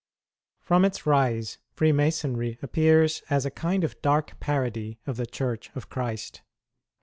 From its rise Freemasonry appears as a kind of dark parody of the Church of Christ.